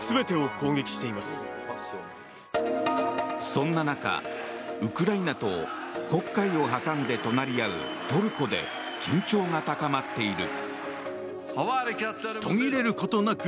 そんな中、ウクライナと黒海を挟んで隣り合うトルコで緊張が高まっている。